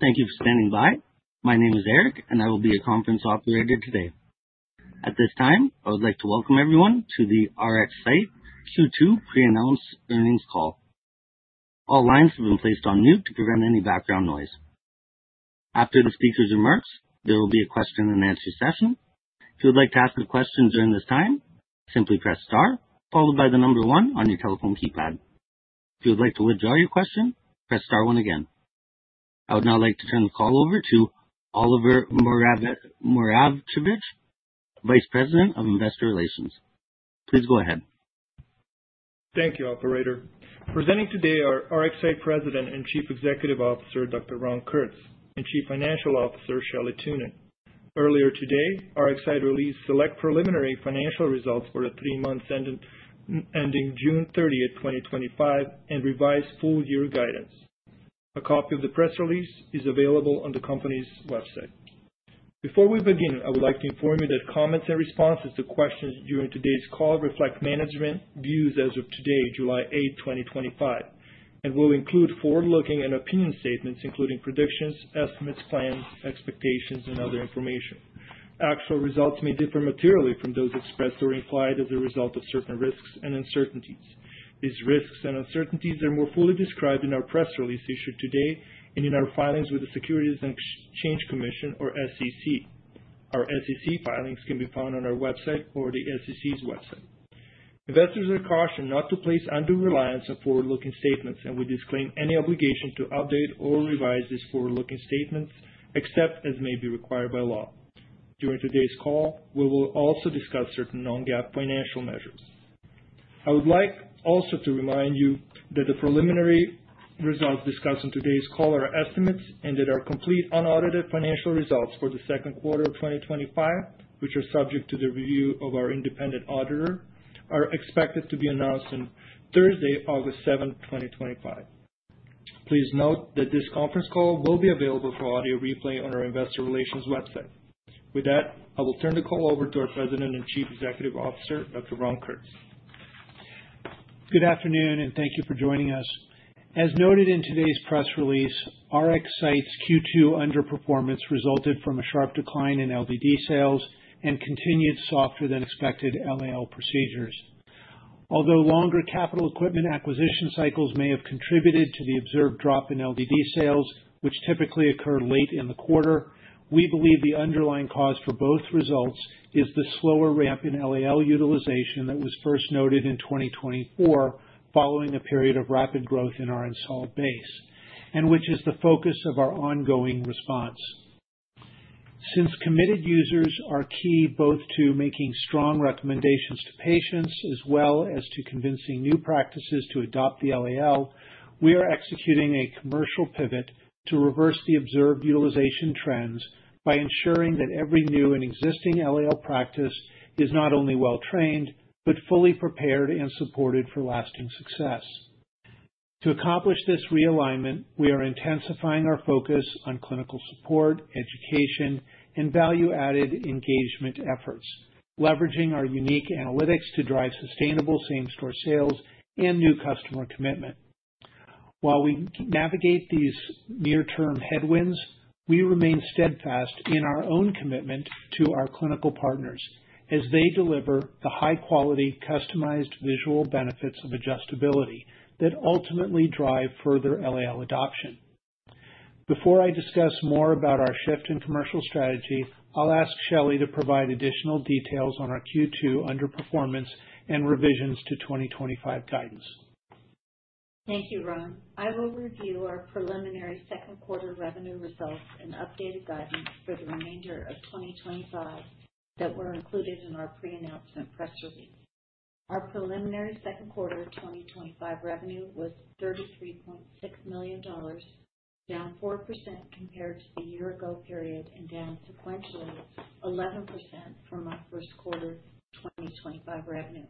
Thank you for standing by. My name is Eric, and I will be your conference operator today. At this time, I would like to welcome everyone to the RxSight Q2 pre-announced earnings call. All lines have been placed on mute to prevent any background noise. After the speakers' remarks, there will be a question and answer session. If you would like to ask a question during this time, simply press star, followed by the number one on your telephone keypad. If you would like to withdraw your question, press star one again. I would now like to turn the call over to Oliver Moravcevic, Vice President of Investor Relations. Please go ahead. Thank you, operator. Presenting today are RxSight President and Chief Executive Officer, Dr. Ron Kurtz, and Chief Financial Officer, Shelley Thunen. Earlier today, RxSight released select preliminary financial results for the three months ending June 30, 2025, and revised full year guidance. A copy of the press release is available on the company's website. Before we begin, I would like to inform you that comments and responses to questions during today's call reflect management views as of today, July 8, 2025, and will include forward-looking and opinion statements, including predictions, estimates, plans, expectations, and other information. Actual results may differ materially from those expressed or implied as a result of certain risks and uncertainties. These risks and uncertainties are more fully described in our press release issued today and in our filings with the Securities and Exchange Commission, or SEC. Our SEC filings can be found on our website or the SEC's website. Investors are cautioned not to place undue reliance on forward-looking statements, and we disclaim any obligation to update or revise these forward-looking statements except as may be required by law. During today's call, we will also discuss certain non-GAAP financial measures. I would like also to remind you that the preliminary results discussed in today's call are estimates and that our complete unaudited financial results for the second quarter of 2025, which are subject to the review of our independent auditor, are expected to be announced on Thursday, August 7, 2025. Please note that this conference call will be available for audio replay on our Investor Relations website. With that, I will turn the call over to our President and Chief Executive Officer, Dr. Ron Kurtz. Good afternoon, and thank you for joining us. As noted in today's press release, RxSight's Q2 underperformance resulted from a sharp decline in LDD sales and continued softer than expected LAL procedures. Although longer capital equipment acquisition cycles may have contributed to the observed drop in LDD sales, which typically occur late in the quarter, we believe the underlying cause for both results is the slower ramp in LAL utilization that was first noted in 2024 following a period of rapid growth in our installed base, and which is the focus of our ongoing response. Since committed users are key both to making strong recommendations to patients as well as to convincing new practices to adopt the LAL, we are executing a commercial pivot to reverse the observed utilization trends by ensuring that every new and existing LAL practice is not only well-trained but fully prepared and supported for lasting success. To accomplish this realignment, we are intensifying our focus on clinical support, education, and value-added engagement efforts, leveraging our unique analytics to drive sustainable same-store sales and new customer commitment. While we navigate these near-term headwinds, we remain steadfast in our own commitment to our clinical partners as they deliver the high-quality, customized visual benefits of adjustability that ultimately drive further LAL adoption. Before I discuss more about our shift in commercial strategy, I'll ask Shelley to provide additional details on our Q2 underperformance and revisions to 2025 guidance. Thank you, Ron. I will review our preliminary second quarter revenue results and updated guidance for the remainder of 2025 that were included in our pre-announcement press release. Our preliminary second quarter of 2025 revenue was $33.6 million, down 4% compared to the year-ago period and down sequentially 11% from our first quarter 2025 revenue.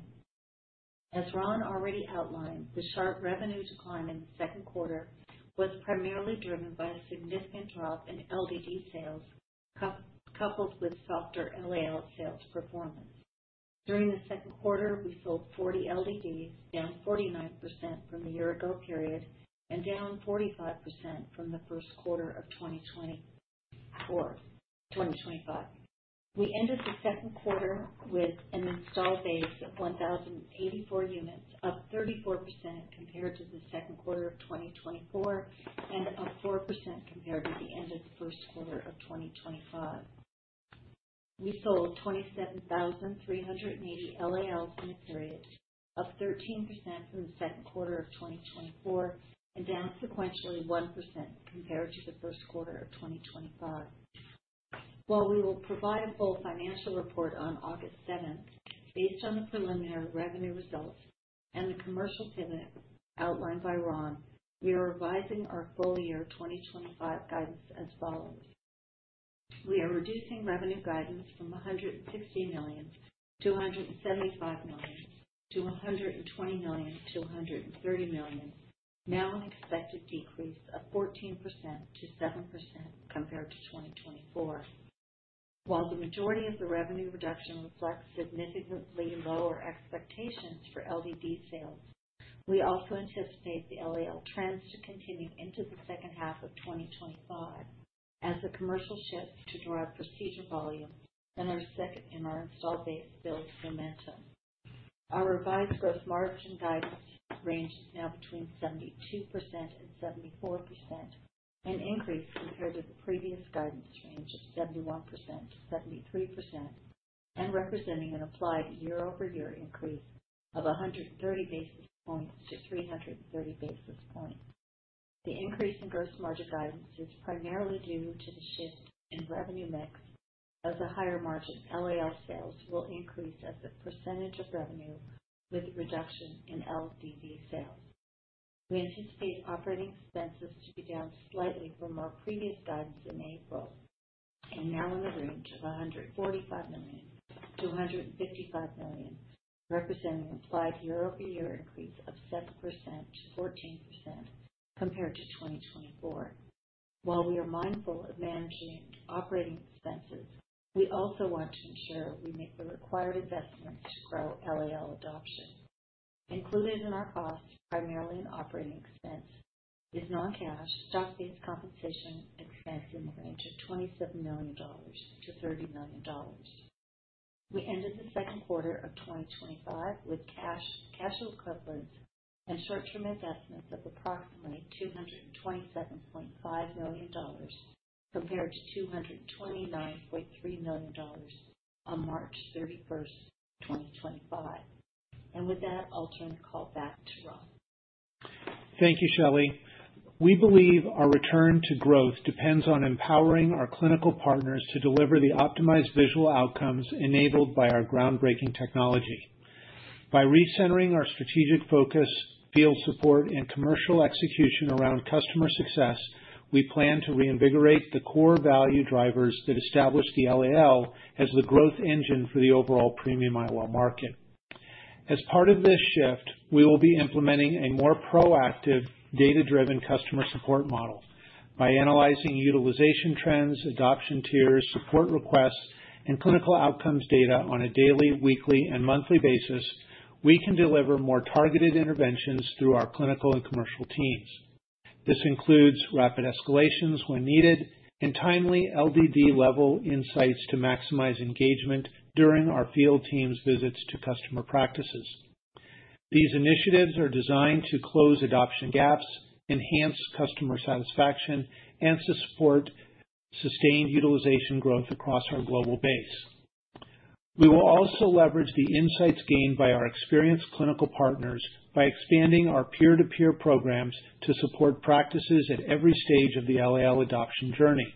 As Ron already outlined, the sharp revenue decline in the second quarter was primarily driven by a significant drop in LDD sales coupled with softer LALs sales performance. During the second quarter, we sold 40 LDDs, down 49% from the year-ago period and down 45% from the first quarter of 2025. We ended the second quarter with an installed base of 1,084 units, up 34% compared to the second quarter of 2024 and up 4% compared to the end of the first quarter of 2025. We sold 27,380 LAL in the period, up 13% from the second quarter of 2024 and down sequentially 1% compared to the first quarter of 2025. While we will provide a full financial report on August 7th, based on the preliminary revenue results and the commercial pivot outlined by Ron, we are revising our full year 2025 guidance as follows. We are reducing revenue guidance from $160 million-$175 million to $120 million-$130 million, now an expected decrease of 14% to 7% compared to 2024. While the majority of the revenue reduction reflects significantly lower expectations for LDD sales, we also anticipate the LAL trends to continue into the second half of 2025 as the commercial shifts to drive procedure volume and our installed base builds momentum. Our revised gross margin guidance range is now between 72% and 74%, an increase compared to the previous guidance range of 71%-73% and representing an applied year-over-year increase of 130 basis points to 330 basis points. The increase in gross margin guidance is primarily due to the shift in revenue mix as the higher margin LAL sales will increase as a percentage of revenue with reduction in LDD sales. We anticipate operating expenses to be down slightly from our previous guidance in April and now in the range of $145 million to $155 million, representing an applied year-over-year increase of 7%-14% compared to 2024. While we are mindful of managing operating expenses, we also want to ensure we make the required investments to grow LAL adoption. Included in our costs, primarily in operating expense, is non-cash stock-based compensation expenses in the range of $27 million-$30 million. We ended the second quarter of 2025 with cash, cash equivalents, and short-term investments of approximately $227.5 million compared to $229.3 million on March 31, 2025. With that, I'll turn the call back to Ron. Thank you, Shelley. We believe our return to growth depends on empowering our clinical partners to deliver the optimized visual outcomes enabled by our groundbreaking technology. By recentering our strategic focus, field support, and commercial execution around customer success, we plan to reinvigorate the core value drivers that established the LAL as the growth engine for the overall premium IOL market. As part of this shift, we will be implementing a more proactive, data-driven customer support model. By analyzing utilization trends, adoption tiers, support requests, and clinical outcomes data on a daily, weekly, and monthly basis, we can deliver more targeted interventions through our clinical and commercial teams. This includes rapid escalations when needed and timely LDD-level insights to maximize engagement during our field teams' visits to customer practices. These initiatives are designed to close adoption gaps, enhance customer satisfaction, and to support sustained utilization growth across our global base. We will also leverage the insights gained by our experienced clinical partners by expanding our peer-to-peer programs to support practices at every stage of the LAL adoption journey.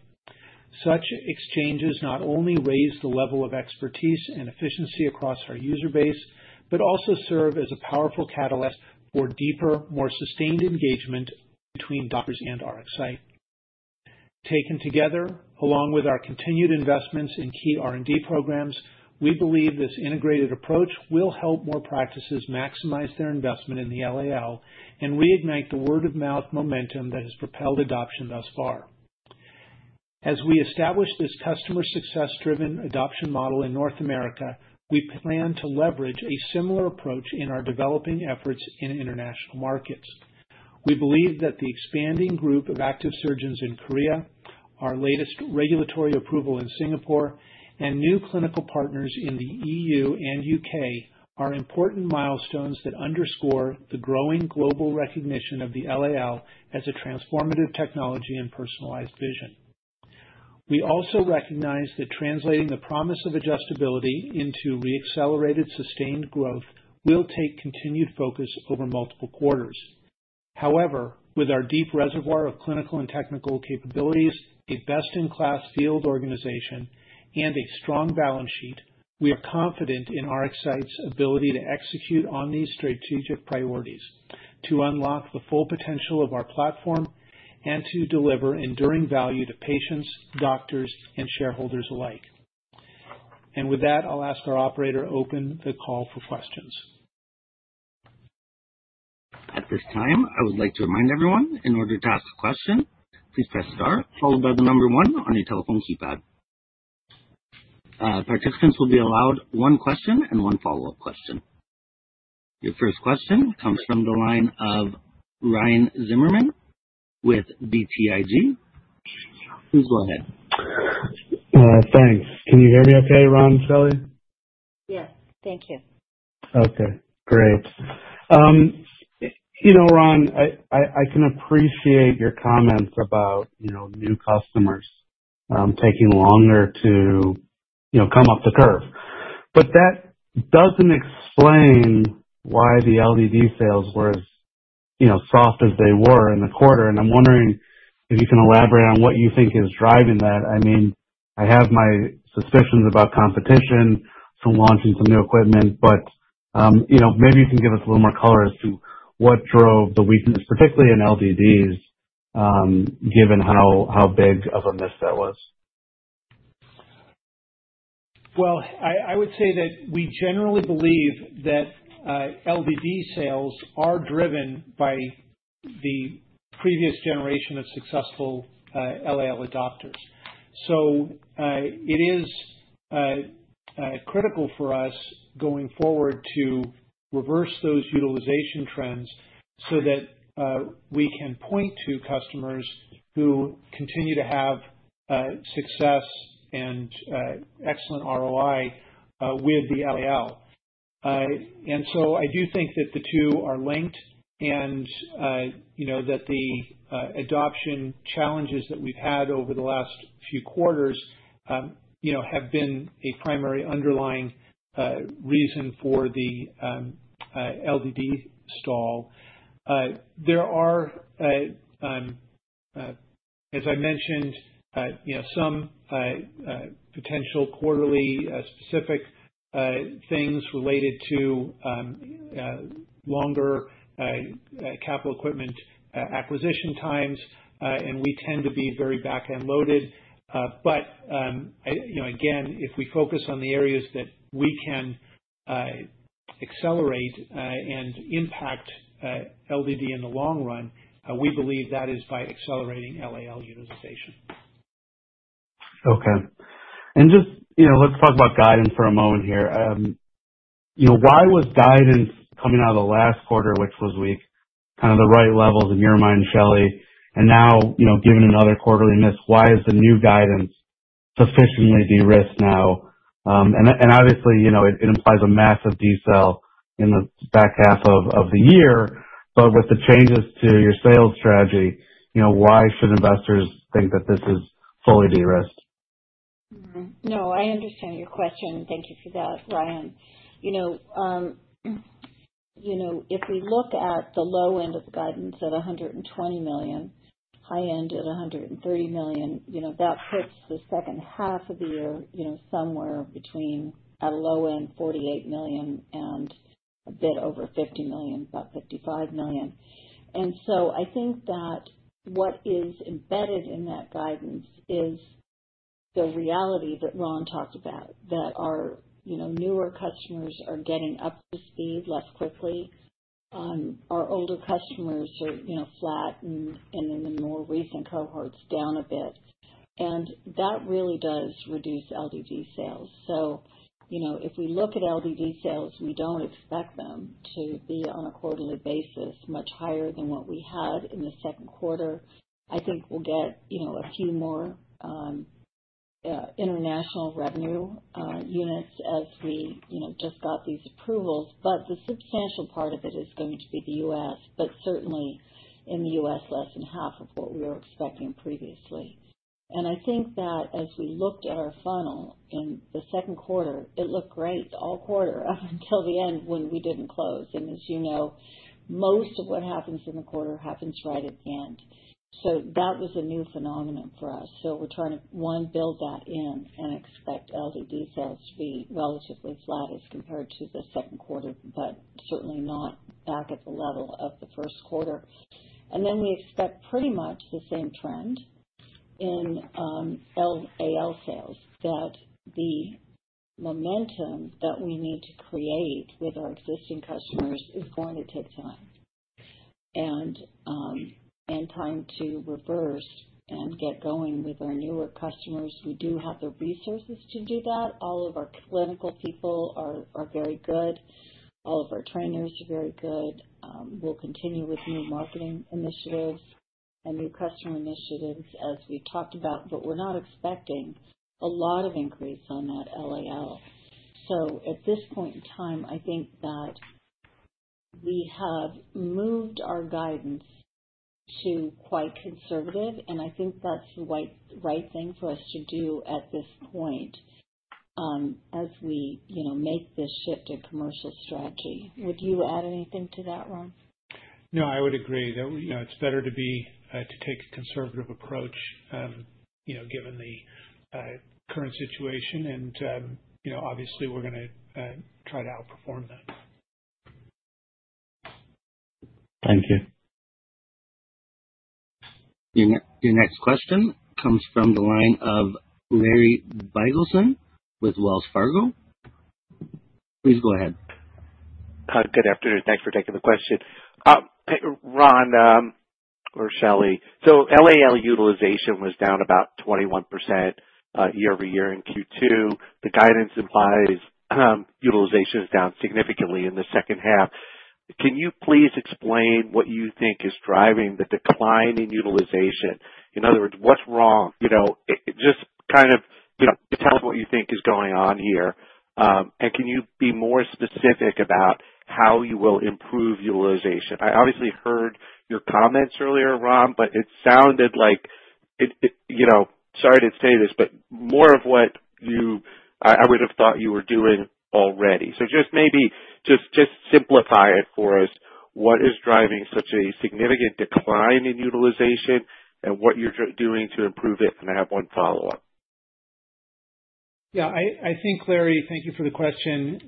Such exchanges not only raise the level of expertise and efficiency across our user base but also serve as a powerful catalyst for deeper, more sustained engagement between doctors and RxSight. Taken together, along with our continued investments in key R&D programs, we believe this integrated approach will help more practices maximize their investment in the LAL and reignite the word-of-mouth momentum that has propelled adoption thus far. As we establish this customer-success-driven adoption model in North America, we plan to leverage a similar approach in our developing efforts in international markets. We believe that the expanding group of active surgeons in Korea, our latest regulatory approval in Singapore, and new clinical partners in the E.U. and U.K. are important milestones that underscore the growing global recognition of the LAL as a transformative technology and personalized vision. We also recognize that translating the promise of adjustability into re-accelerated sustained growth will take continued focus over multiple quarters. However, with our deep reservoir of clinical and technical capabilities, a best-in-class field organization, and a strong balance sheet, we are confident in RxSight's ability to execute on these strategic priorities, to unlock the full potential of our platform, and to deliver enduring value to patients, doctors, and shareholders alike. I'll ask our operator to open the call for questions. At this time, I would like to remind everyone, in order to ask a question, please press star followed by the number one on your telephone keypad. Participants will be allowed one question and one follow-up question. Your first question comes from the line of Ryan Zimmerman with BTIG. Please go ahead. Thanks. Can you hear me okay, Ron, Shelley? Yes, thank you. Okay, great. Ron, I can appreciate your comments about new customers taking longer to come up the curve. That doesn't explain why the LDD sales were as soft as they were in the quarter. I'm wondering if you can elaborate on what you think is driving that. I have my suspicions about competition from launching some new equipment, but maybe you can give us a little more color as to what drove the weakness, particularly in LDDs, given how big of a miss that was. I would say that we generally believe that LDD sales are driven by the previous generation of successful LAL adopters. It is critical for us going forward to reverse those utilization trends so that we can point to customers who continue to have success and excellent ROI with the LAL. I do think that the two are linked and, you know, that the adoption challenges that we've had over the last few quarters have been a primary underlying reason for the LDD stall. There are, as I mentioned, some potential quarterly specific things related to longer capital equipment acquisition cycles, and we tend to be very back-end loaded. If we focus on the areas that we can accelerate and impact LDD in the long run, we believe that is by accelerating LAL utilization. Okay. Let's talk about guidance for a moment here. Why was guidance coming out of the last quarter, which was weak, kind of the right levels in your mind, Shelley? Now, given another quarterly miss, why is the new guidance sufficiently de-risked now? Obviously, it implies a massive deceleration in the back half of the year. With the changes to your sales strategy, why should investors think that this is fully de-risked? No, I understand your question. Thank you for that, Ryan. You know, if we look at the low end of the guidance at $120 million, high end at $130 million, that puts the second half of the year somewhere between, at a low end, $48 million, and a bit over $50 million, about $55 million. I think that what is embedded in that guidance is the reality that Ron talked about, that our newer customers are getting up to speed less quickly. Our older customers are flat and in the more recent cohorts down a bit. That really does reduce LDD sales. If we look at LDD sales, we don't expect them to be on a quarterly basis much higher than what we had in the second quarter. I think we'll get a few more international revenue units as we just got these approvals. The substantial part of it is going to be the U.S., but certainly in the U.S., less than half of what we were expecting previously. I think that as we looked at our funnel in the second quarter, it looked great all quarter up until the end when we didn't close. As you know, most of what happens in the quarter happens right at the end. That was a new phenomenon for us. We're trying to, one, build that in and expect LDD sales to be relatively flat as compared to the second quarter, but certainly not back at the level of the first quarter. We expect pretty much the same trend in LAL sales, that the momentum that we need to create with our existing customers is going to take time, and time to reverse and get going with our newer customers. We do have the resources to do that. All of our clinical people are very good. All of our trainers are very good. We'll continue with new marketing initiatives and new customer initiatives as we've talked about, but we're not expecting a lot of increase on that LAL. At this point in time, I think that we have moved our guidance to quite conservative, and I think that's the right thing for us to do at this point, as we make this shift in commercial strategy. Would you add anything to that, Ron? I would agree that it's better to take a conservative approach, given the current situation. Obviously, we're going to try to outperform them. Thank you. Your next question comes from the line of Larry Biegelsen with Wells Fargo. Please go ahead. Good afternoon. Thanks for taking the question. Ron, or Shelley, so LAL utilization was down about 21% year-over-year in Q2. The guidance implies utilization is down significantly in the second half. Can you please explain what you think is driving the decline in utilization? In other words, what's wrong? Just tell me what you think is going on here. Can you be more specific about how you will improve utilization? I obviously heard your comments earlier, Ron, but it sounded like it, sorry to say this, but more of what I would have thought you were doing already. Maybe just simplify it for us. What is driving such a significant decline in utilization and what you're doing to improve it? I have one follow-up. Yeah, I think, Larry, thank you for the question.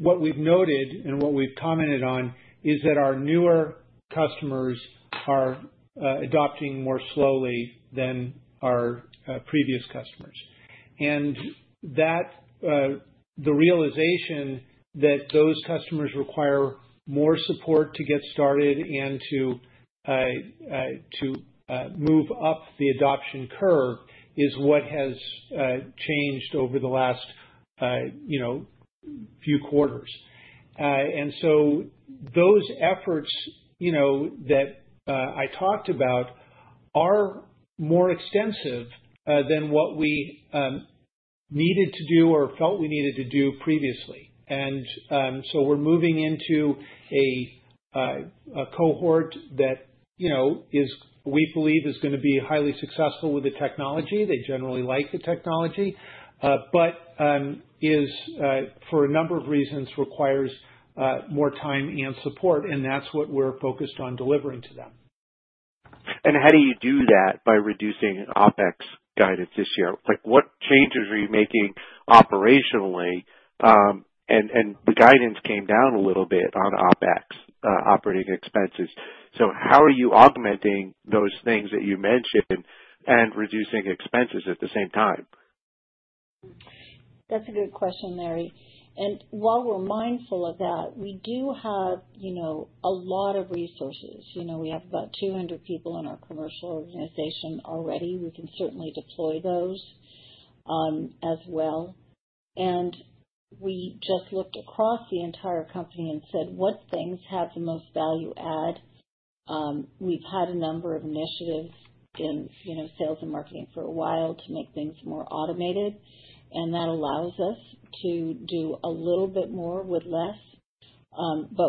What we've noted and what we've commented on is that our newer customers are adopting more slowly than our previous customers. The realization that those customers require more support to get started and to move up the adoption curve is what has changed over the last few quarters. Those efforts I talked about are more extensive than what we needed to do or felt we needed to do previously. We're moving into a cohort that we believe is going to be highly successful with the technology. They generally like the technology, but for a number of reasons, require more time and support. That's what we're focused on delivering to them. How do you do that by reducing OpEx guidance this year? What changes are you making operationally? The guidance came down a little bit on OpEx, operating expenses. How are you augmenting those things that you mentioned and reducing expenses at the same time? That's a good question, Larry. While we're mindful of that, we do have a lot of resources. We have about 200 people in our commercial organization already. We can certainly deploy those as well. We just looked across the entire company and said, "What things have the most value-add?" We've had a number of initiatives in sales and marketing for a while to make things more automated. That allows us to do a little bit more with less.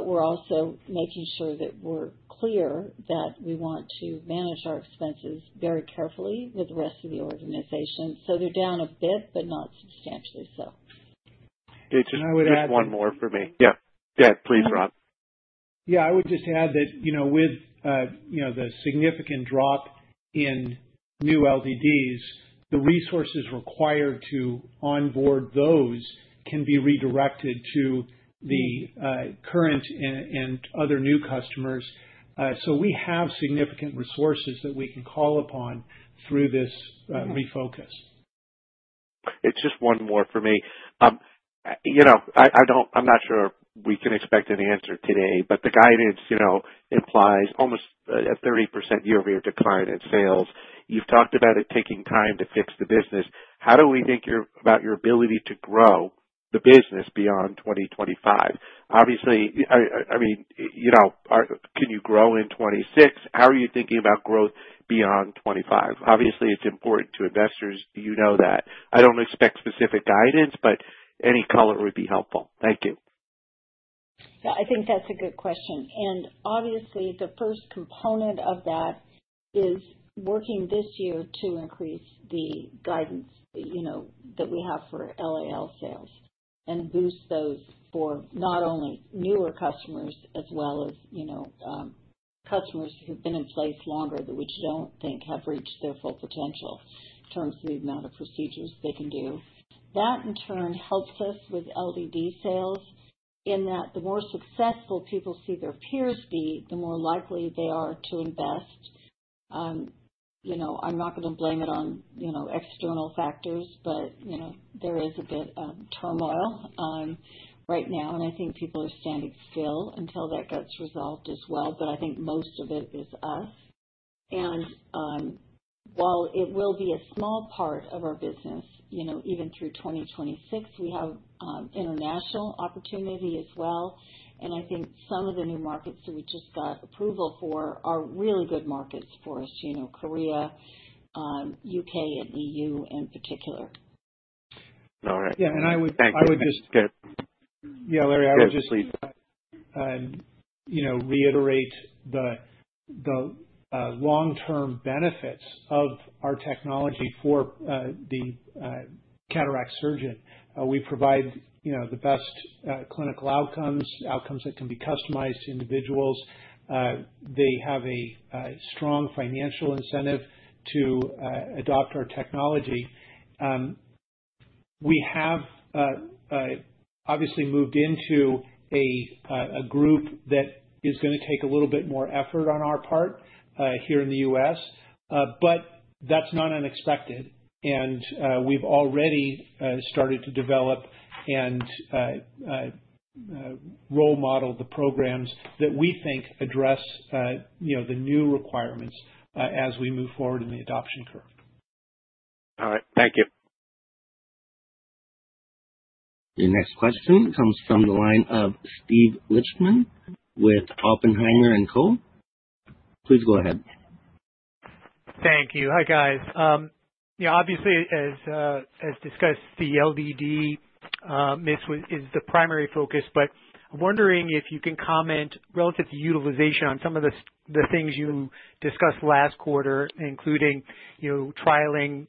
We're also making sure that we're clear that we want to manage our expenses very carefully with the rest of the organization. They're down a bit, but not substantially so. Did you want to add one more for me? Yeah, please, Ron. Yeah, I would just add that with the significant drop in new LDDs, the resources required to onboard those can be redirected to the current and other new customers. We have significant resources that we can call upon through this refocus. It's just one more for me. I don't, I'm not sure we can expect an answer today, but the guidance implies almost a 30% year-over-year decline in sales. You've talked about it taking time to fix the business. How do we think about your ability to grow the business beyond 2025? Obviously, I mean, can you grow in 2026? How are you thinking about growth beyond 2025? Obviously, it's important to investors. You know that. I don't expect specific guidance, but any color would be helpful. Thank you. Yeah, I think that's a good question. Obviously, the first component of that is working this year to increase the guidance, you know, that we have for LAL sales and boost those for not only newer customers as well as, you know, customers who've been in place longer that we just don't think have reached their full potential in terms of the amount of procedures they can do. That, in turn, helps us with LDD sales in that the more successful people see their peers be, the more likely they are to invest. I'm not going to blame it on, you know, external factors, but, you know, there is a bit of turmoil right now. I think people are standing still until that gets resolved as well. I think most of it is us. While it will be a small part of our business, you know, even through 2026, we have international opportunity as well. I think some of the new markets that we just got approval for are really good markets for us, you know, Korea, U.K., and E.U. in particular. All right. Yeah, I would. Thank you. I would just get. Yeah, Larry, I would just. Go ahead, please. You know, reiterate the long-term benefits of our technology for the cataract surgeon. We provide, you know, the best clinical outcomes, outcomes that can be customized to individuals. They have a strong financial incentive to adopt our technology. We have obviously moved into a group that is going to take a little bit more effort on our part here in the U.S., which is not unexpected. We've already started to develop and role model the programs that we think address, you know, the new requirements as we move forward in the adoption curve. All right. Thank you. Your next question comes from the line of Steve Lichtman with Oppenheimer & Co. Please go ahead. Thank you. Hi, guys. You know, obviously, as discussed, the LDD is the primary focus. I'm wondering if you can comment relative to utilization on some of the things you discussed last quarter, including trialing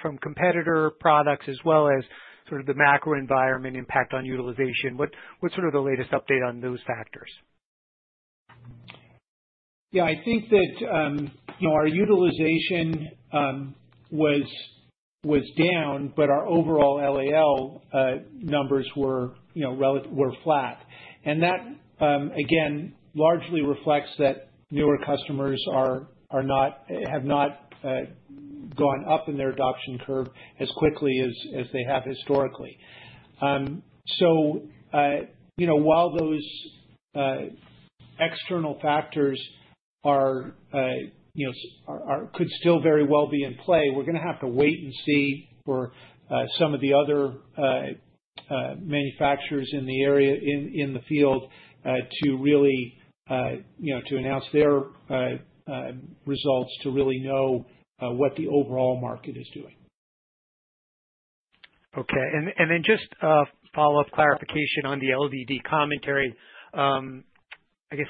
from competitor products as well as the macro environment impact on utilization. What's the latest update on those factors? I think that our utilization was down, but our overall LAL numbers were flat. That, again, largely reflects that newer customers have not gone up in their adoption curve as quickly as they have historically. While those external factors could still very well be in play, we're going to have to wait and see for some of the other manufacturers in the field to announce their results to really know what the overall market is doing. Okay. Just a follow-up clarification on the LDD commentary. I guess,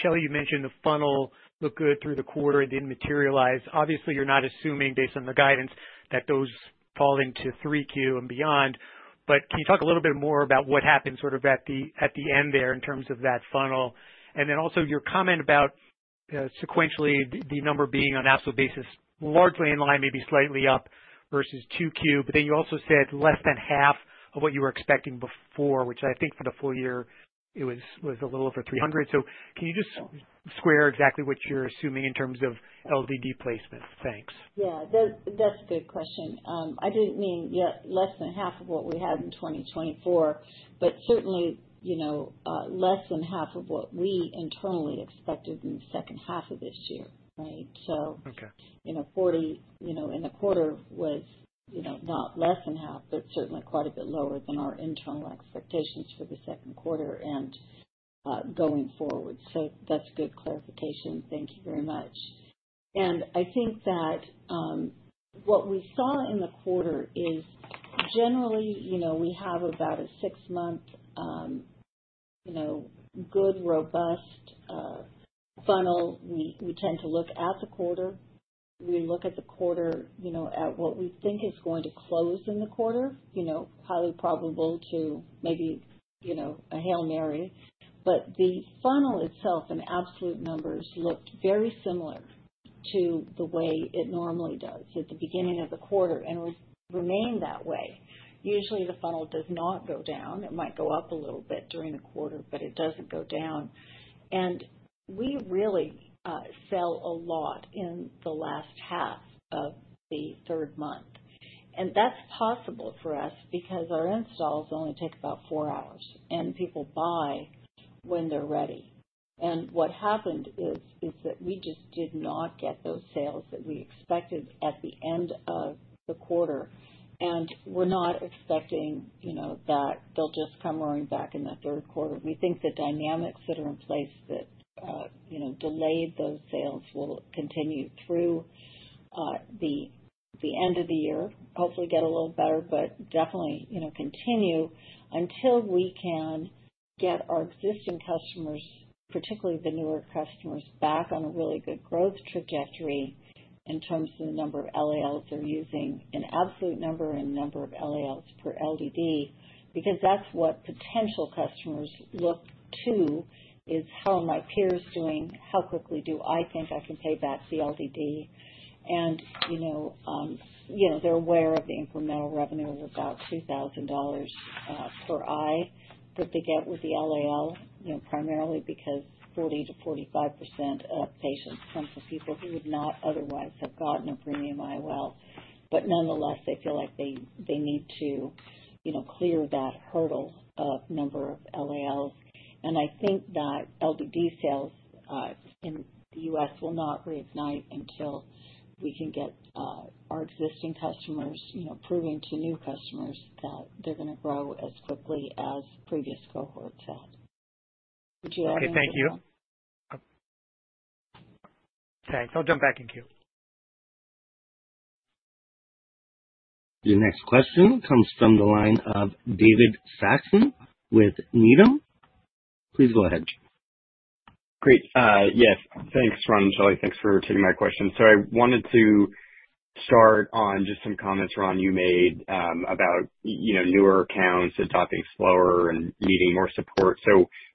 Shelley, you mentioned the funnel looked good through the quarter and didn't materialize. Obviously, you're not assuming based on the guidance that those fall into 3Q and beyond. Can you talk a little bit more about what happened at the end there in terms of that funnel? Also, your comment about sequentially the number being on an absolute basis largely in line, maybe slightly up versus 2Q. Then you also said less than half of what you were expecting before, which I think for the full year was a little over 300. Can you just square exactly what you're assuming in terms of LDD placement? Thanks. Yeah, that's a good question. I didn't mean less than half of what we had in 2024, but certainly, you know, less than half of what we internally expected in the second half of this year, right? So, 40, you know, in a quarter was not less than half, but certainly quite a bit lower than our internal expectations for the second quarter and going forward. That's a good clarification. Thank you very much. I think that what we saw in the quarter is generally, you know, we have about a six-month, good, robust funnel. We tend to look at the quarter. We look at the quarter at what we think is going to close in the quarter, highly probable to maybe a Hail Mary. The funnel itself in absolute numbers looked very similar to the way it normally does at the beginning of the quarter and remained that way. Usually, the funnel does not go down. It might go up a little bit during the quarter, but it doesn't go down. We really sell a lot in the last half of the third month. That's possible for us because our installs only take about four hours, and people buy when they're ready. What happened is that we just did not get those sales that we expected at the end of the quarter. We're not expecting that they'll just come roaring back in the third quarter. We think the dynamics that are in place that delayed those sales will continue through the end of the year, hopefully get a little better, but definitely continue until we can get our existing customers, particularly the newer customers, back on a really good growth trajectory in terms of the number of LAL they're using in absolute number and number of LALs per LDD because that's what potential customers look to is how are my peers doing, how quickly do I think I can pay back the LDD. They're aware of the incremental revenue of about $2,000 per eye that they get with the LAL, primarily because 40%-45% of patients come from people who would not otherwise have gotten a premium IOL. Nonetheless, they feel like they need to clear that hurdle of number of LAL. I think that LiDD sales in the U.S. will not reignite until we can get our existing customers proving to new customers that they're going to grow as quickly as previous cohorts have. Would you add more? Okay, thank you. Thanks. I'll jump back in queue. Your next question comes from the line of David Saxon with Needham. Please go ahead, Jim. Great. Yes. Thanks, Ron, and Shelley. Thanks for taking my question. I wanted to start on just some comments, Ron, you made about newer accounts adopting slower and needing more support.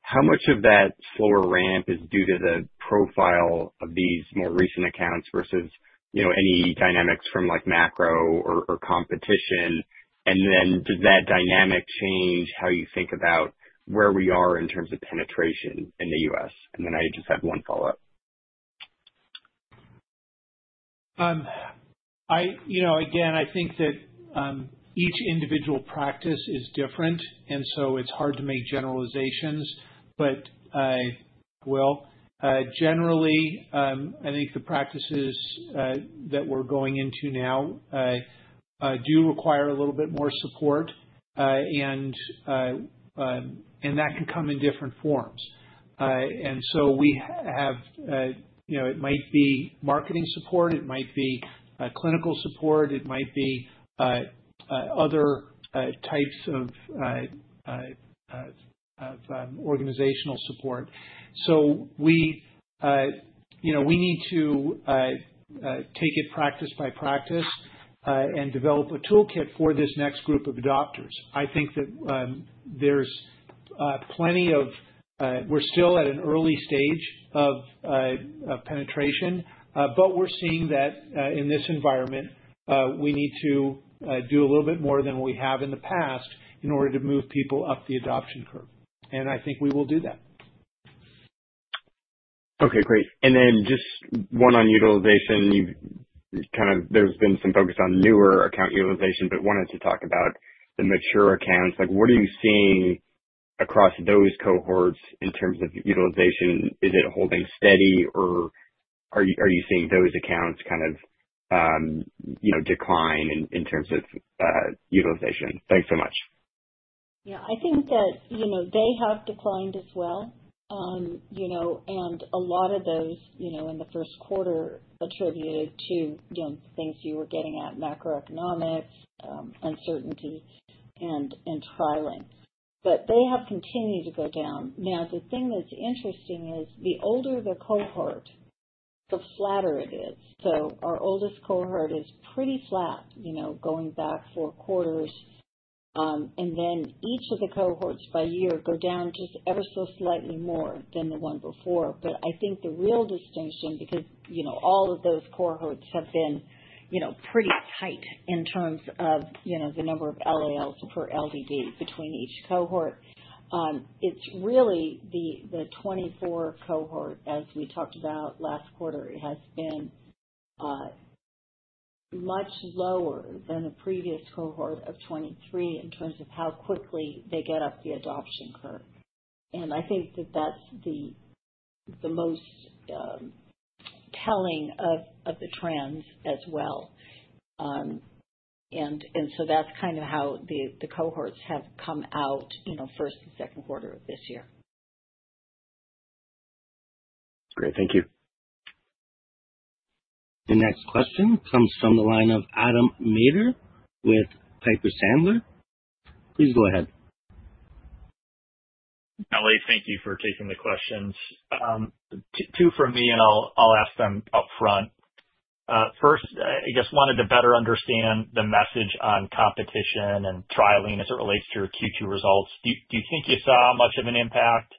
How much of that slower ramp is due to the profile of these more recent accounts versus any dynamics from macro or competition? Does that dynamic change how you think about where we are in terms of penetration in the U.S.? I just have one follow-up. I think that each individual practice is different, and so it's hard to make generalizations. Generally, I think the practices that we're going into now do require a little bit more support, and that can come in different forms. We have, you know, it might be marketing support. It might be clinical support. It might be other types of organizational support. We need to take it practice by practice and develop a toolkit for this next group of adopters. I think that there's plenty of, we're still at an early stage of penetration, but we're seeing that in this environment, we need to do a little bit more than we have in the past in order to move people up the adoption curve. I think we will do that. Okay, great. Just one on utilization. You've kind of, there's been some focus on newer account utilization, but wanted to talk about the mature accounts. What are you seeing across those cohorts in terms of utilization? Is it holding steady, or are you seeing those accounts decline in terms of utilization? Thanks so much. Yeah, I think that, you know, they have declined as well, and a lot of those in the first quarter attributed to, you know, things you were getting at, macroeconomics, uncertainty, and trialing. They have continued to go down. The thing that's interesting is the older the cohort, the flatter it is. So our oldest cohort is pretty flat, you know, going back four quarters, and then each of the cohorts by year go down just ever so slightly more than the one before. I think the real distinction, because all of those cohorts have been pretty tight in terms of the number of LALs per LDD between each cohort, is really the 2024 cohort. As we talked about last quarter, it has been much lower than the previous cohort of 2023 in terms of how quickly they get up the adoption curve. I think that that's the most telling of the trends as well, and so that's kind of how the cohorts have come out, you know, first and second quarter of this year. Great. Thank you. Your next question comes from the line of Adam Maeder with Piper Sandler. Please go ahead. Shelley, thank you for taking the questions. Two from me, and I'll ask them up front. First, I guess I wanted to better understand the message on competition and trialing as it relates to your Q2 results. Do you think you saw much of an impact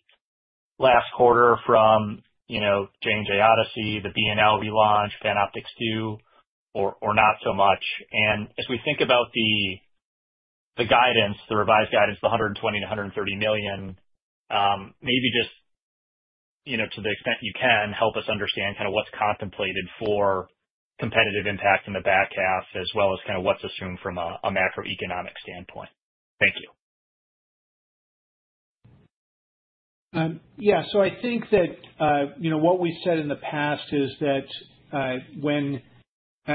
last quarter from, you know, J&J Odyssey, the B&L relaunch, Fan Optics 2, or not so much? As we think about the guidance, the revised guidance, the $120million-$130 million, maybe just, you know, to the extent you can, help us understand kind of what's contemplated for competitive impact in the back half as well as kind of what's assumed from a macroeconomic standpoint. Thank you. Yeah. I think that, you know, what we said in the past is that when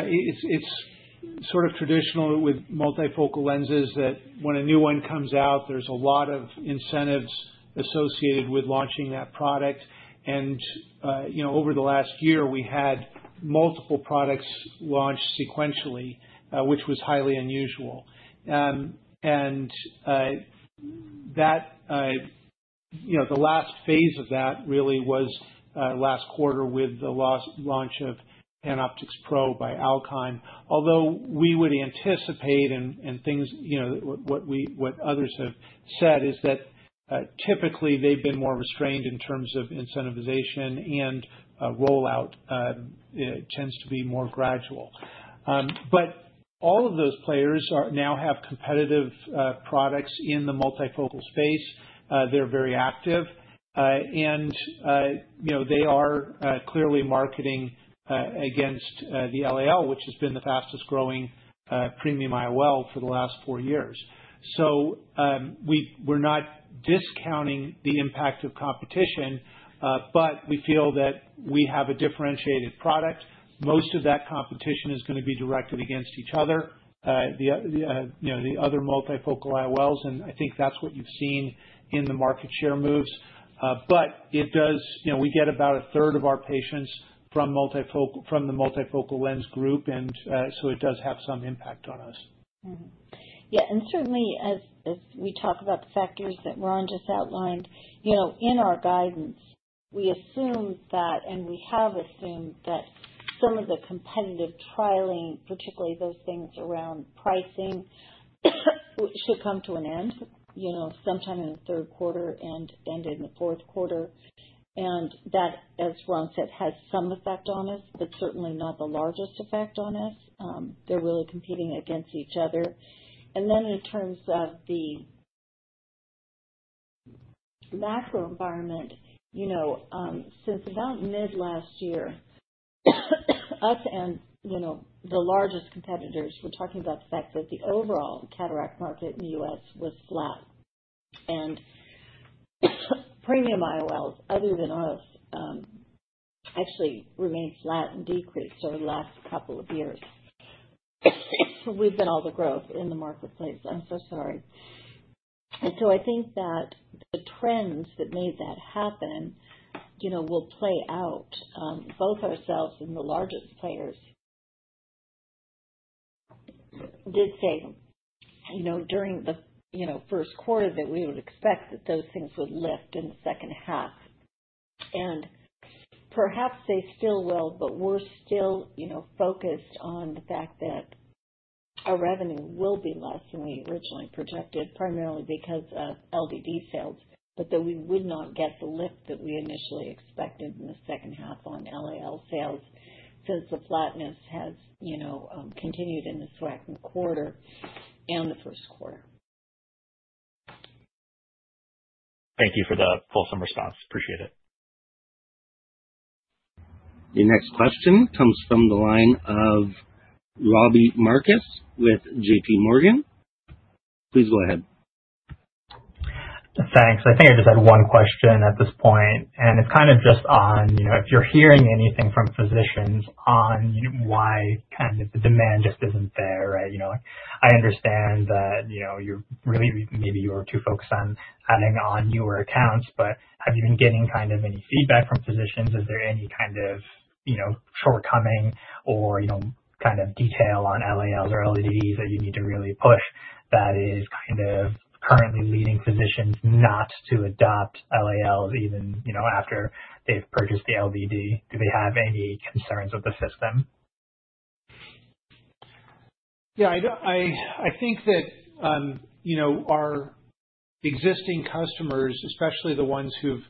it's sort of traditional with multifocal lenses that when a new one comes out, there's a lot of incentives associated with launching that product. Over the last year, we had multiple products launched sequentially, which was highly unusual. The last phase of that really was last quarter with the launch of Fan Optics Pro by Alcon. Although we would anticipate, and things, you know, what we and others have said is that typically they've been more restrained in terms of incentivization, and a rollout tends to be more gradual. All of those players now have competitive products in the multifocal space. They're very active, and they are clearly marketing against the LAL, which has been the fastest growing premium IOL for the last four years. We're not discounting the impact of competition, but we feel that we have a differentiated product. Most of that competition is going to be directed against each other, the other multifocal IOLs. I think that's what you've seen in the market share moves. It does, you know, we get about a third of our patients from the multifocal lens group, and so it does have some impact on us. Mm-hmm. Yeah. As we talk about the factors that Ron just outlined, in our guidance, we assume that, and we have assumed that some of the competitive trialing, particularly those things around pricing, should come to an end sometime in the third quarter and end in the fourth quarter. That, as Ron said, has some effect on us, but certainly not the largest effect on us. They're really competing against each other. In terms of the macro environment, since about mid-last year, us and the largest competitors were talking about the fact that the overall cataract market in the U.S. was flat. Premium IOLs, other than us, actually remained flat and decreased over the last couple of years. We've been all the growth in the marketplace. I'm so sorry. I think that the trends that made that happen will play out. Both ourselves and the largest players did say during the first quarter that we would expect that those things would lift in the second half. Perhaps they still will, but we're still focused on the fact that our revenue will be less than we originally projected, primarily because of LDD sales, but that we would not get the lift that we initially expected in the second half on LAL sales since the flatness has continued in the second quarter and the first quarter. Thank you for the fulsome response. Appreciate it. Your next question comes from the line of Robbie Marcus with JPMorgan. Please go ahead. Thanks. I think I just had one question at this point. It's kind of just on, you know, if you're hearing anything from physicians on, you know, why kind of the demand just isn't there, right? I understand that, you know, you're really maybe you're too focused on adding on newer accounts, but have you been getting kind of any feedback from physicians? Is there any kind of, you know, shortcoming or, you know, kind of detail on LAL or LDDs that you need to really push that is kind of currently leading physicians not to adopt LAL even, you know, after they've purchased the LDD? Do they have any concerns with the system? Yeah, I don't, I think that, you know, our existing customers, especially the ones who've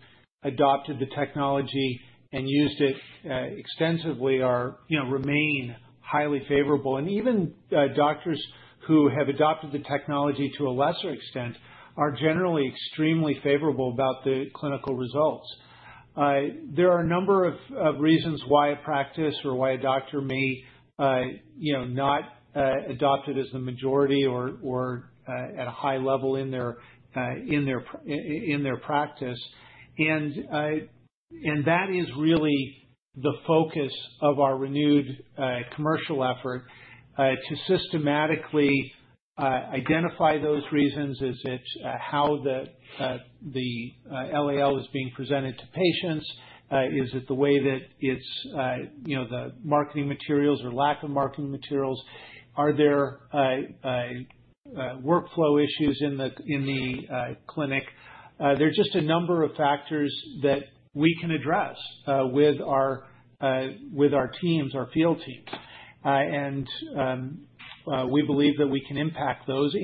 adopted the technology and used it extensively, are, you know, remain highly favorable. Even doctors who have adopted the technology to a lesser extent are generally extremely favorable about the clinical results. There are a number of reasons why a practice or why a doctor may, you know, not adopt it as the majority or at a high level in their practice. That is really the focus of our renewed commercial effort, to systematically identify those reasons. Is it how the LAL is being presented to patients? Is it the way that it's, you know, the marketing materials or lack of marketing materials? Are there workflow issues in the clinic? There are just a number of factors that we can address with our teams, our field teams. We believe that we can impact those.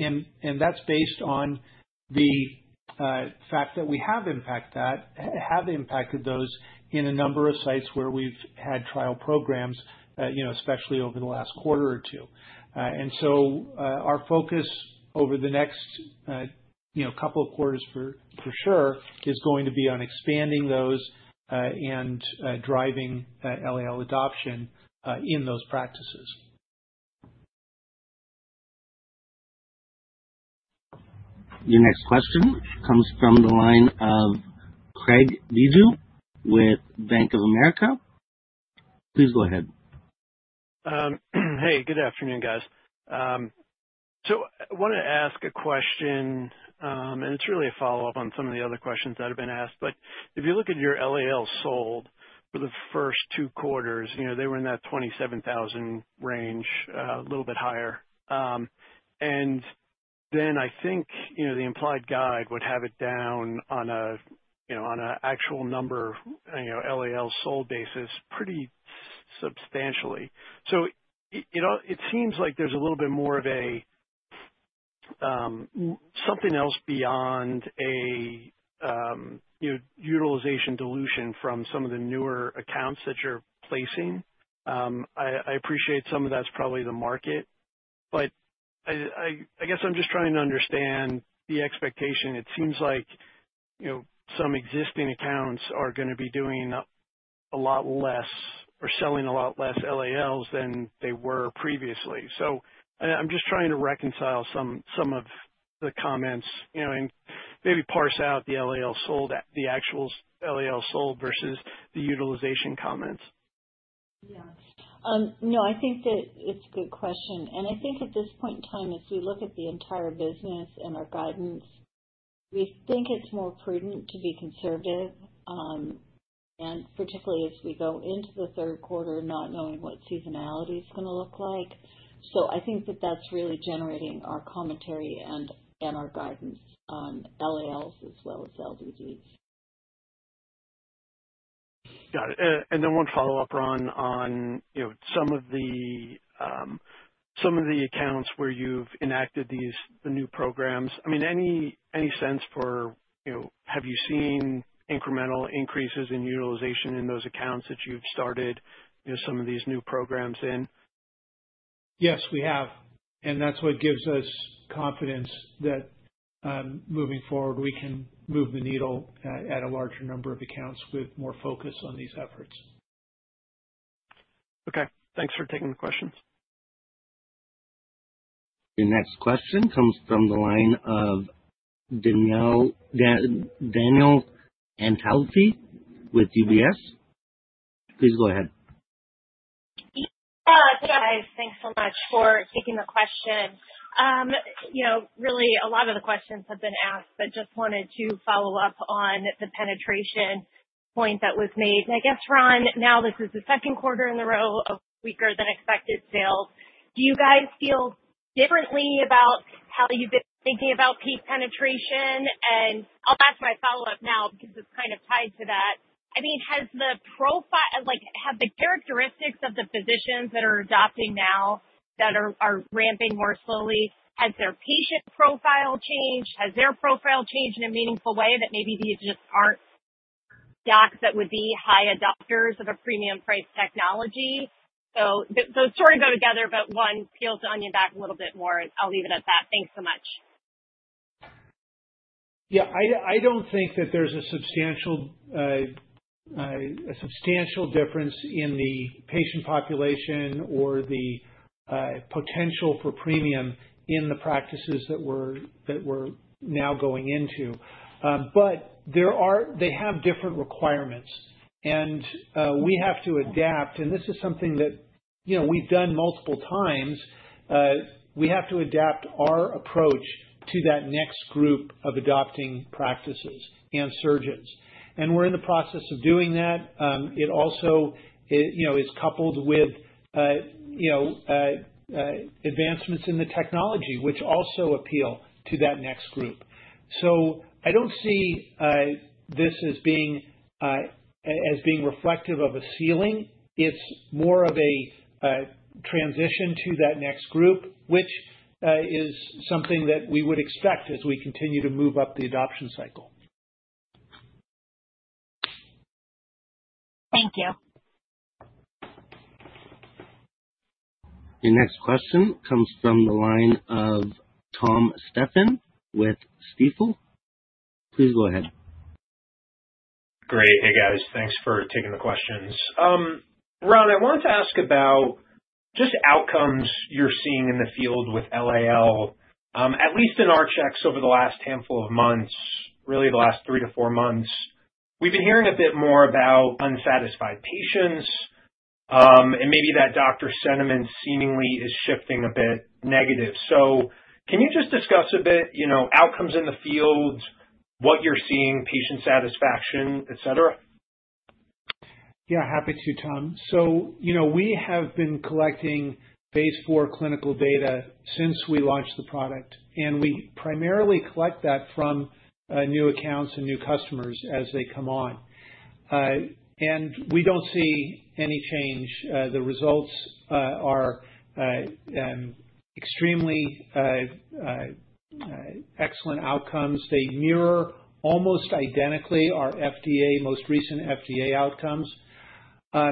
That's based on the fact that we have impacted those in a number of sites where we've had trial programs, you know, especially over the last quarter or two. Our focus over the next, you know, couple of quarters for sure is going to be on expanding those and driving LAL adoption in those practices. Your next question comes from the line of Craig Bijou with Bank of America. Please go ahead. Hey, good afternoon, guys. I want to ask a question, and it's really a follow-up on some of the other questions that have been asked. If you look at your LALs sold for the first two quarters, you know, they were in that 27,000 range, a little bit higher. I think, you know, the implied guide would have it down on an actual number, you know, LAL sold basis pretty substantially. It seems like there's a little bit more of something else beyond a utilization dilution from some of the newer accounts that you're placing. I appreciate some of that's probably the market. I guess I'm just trying to understand the expectation. It seems like some existing accounts are going to be doing a lot less or selling a lot less LALs than they were previously. I'm just trying to reconcile some of the comments, you know, and maybe parse out the LALs sold, the actual LALs sold versus the utilization comments. Yeah, no, I think that it's a good question. I think at this point in time, as we look at the entire business and our guidance, we think it's more prudent to be conservative, particularly as we go into the third quarter, not knowing what seasonality is going to look like. I think that that's really generating our commentary and our guidance on LALs as well as LDDs. Got it. One follow-up, Ron, on some of the accounts where you've enacted these new programs. Any sense for, have you seen incremental increases in utilization in those accounts that you've started some of these new programs in? Yes, we have. That is what gives us confidence that, moving forward, we can move the needle at a larger number of accounts with more focus on these efforts. Okay, thanks for taking the questions. Your next question comes from the line of Danielle with UBS. Please go ahead. Yeah, guys, thanks so much for taking the question. You know, really, a lot of the questions have been asked, but just wanted to follow up on the penetration point that was made. I guess, Ron, now this is the second quarter in a row of weaker than expected sales. Do you guys feel differently about how you've been thinking about peak penetration? I'll ask my follow-up now because it's kind of tied to that. I mean, has the profile, like have the characteristics of the physicians that are adopting now that are ramping more slowly, has their patient profile changed? Has their profile changed in a meaningful way that maybe these just aren't docs that would be high adopters of a premium-priced technology? Those sort of go together, but one peels the onion back a little bit more. I'll leave it at that. Thanks so much. Yeah, I don't think that there's a substantial difference in the patient population or the potential for premium in the practices that we're now going into. They have different requirements, and we have to adapt. This is something that we've done multiple times. We have to adapt our approach to that next group of adopting practices and surgeons, and we're in the process of doing that. It also is coupled with advancements in the technology, which also appeal to that next group. I don't see this as being reflective of a ceiling. It's more of a transition to that next group, which is something that we would expect as we continue to move up the adoption cycle. Thank you. Your next question comes from the line of Tom Stephan with Stifel. Please go ahead. Great, hey guys, thanks for taking the questions. Ron, I wanted to ask about just outcomes you're seeing in the field with LAL. At least in our checks over the last handful of months, really the last three to four months, we've been hearing a bit more about unsatisfied patients, and maybe that doctor sentiment seemingly is shifting a bit negative. Can you just discuss a bit, you know, outcomes in the field, what you're seeing, patient satisfaction, etc.? Yeah, happy to, Tom. We have been collecting phase four clinical data since we launched the product. We primarily collect that from new accounts and new customers as they come on. We don't see any change. The results are extremely excellent outcomes. They mirror almost identically our most recent FDA outcomes. I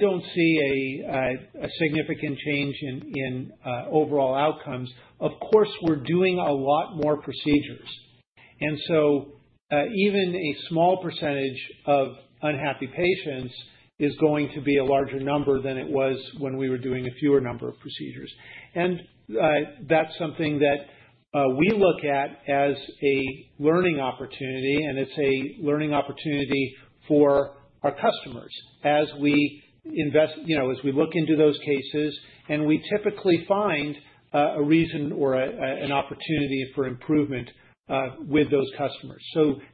don't see a significant change in overall outcomes. Of course, we're doing a lot more procedures, so even a small percentage of unhappy patients is going to be a larger number than it was when we were doing a fewer number of procedures. That's something that we look at as a learning opportunity, and it's a learning opportunity for our customers as we invest, as we look into those cases. We typically find a reason or an opportunity for improvement with those customers.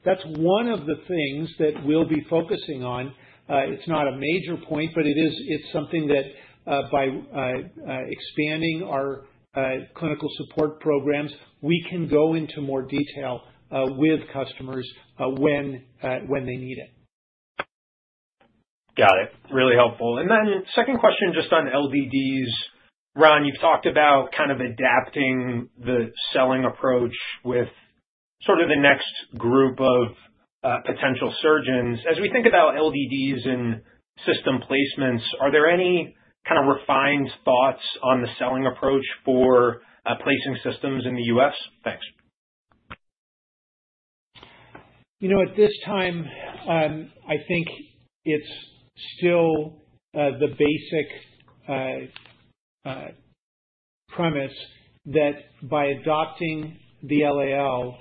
That's one of the things that we'll be focusing on. It's not a major point, but it is something that, by expanding our clinical support programs, we can go into more detail with customers when they need it. Got it. Really helpful. Second question just on LDDs. Ron, you've talked about kind of adapting the selling approach with sort of the next group of potential surgeons. As we think about LDDs and system placements, are there any kind of refined thoughts on the selling approach for placing systems in the U.S.? Thanks. You know, at this time, I think it's still the basic premise that by adopting the LAL,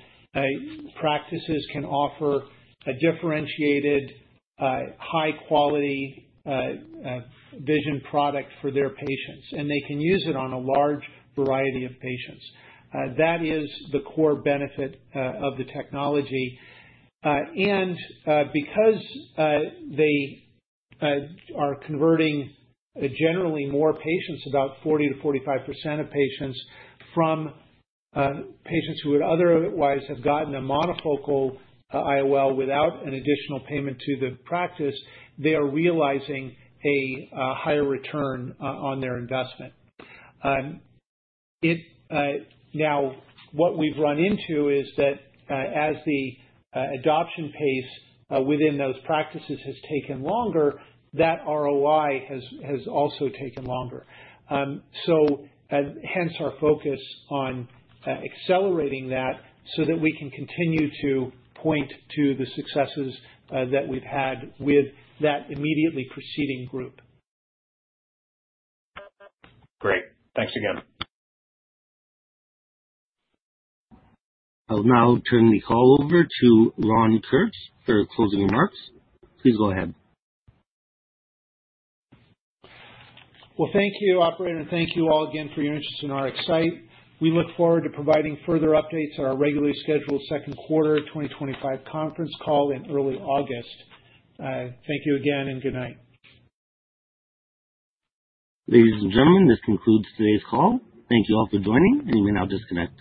practices can offer a differentiated, high-quality vision product for their patients, and they can use it on a large variety of patients. That is the core benefit of the technology, and because they are converting generally more patients, about 40%-45% of patients, from patients who would otherwise have gotten a monofocal IOL without an additional payment to the practice, they are realizing a higher return on their investment. Now, what we've run into is that as the adoption pace within those practices has taken longer, that ROI has also taken longer. Hence our focus on accelerating that so that we can continue to point to the successes that we've had with that immediately preceding group. Great. Thanks again. I'll now turn the call over to Ron Kurtz for closing remarks. Please go ahead. Thank you, operator. Thank you all again for your interest in RxSight. We look forward to providing further updates at our regularly scheduled second quarter 2025 conference call in early August. Thank you again and good night. Ladies and gentlemen, this concludes today's call. Thank you all for joining, and we now disconnect.